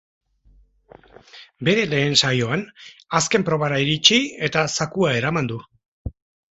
Bere lehen saioan, azken probara iritsi eta zakua eraman du.